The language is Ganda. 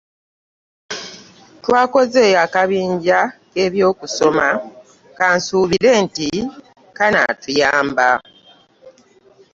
Twakoze akabinja k'e byokusoma kansubire nti kanatuyamba .